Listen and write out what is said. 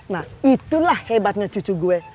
nah itulah hebatnya cucu gue